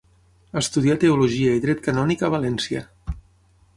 Estudià Teologia i Dret Canònic a València.